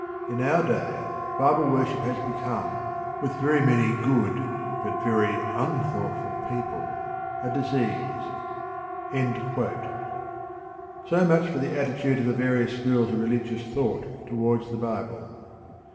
In our day Bible worship has become, with many very good but very unthoughtful people, a disease. So much for the attitude of the various schools of religious thought towards the Bible.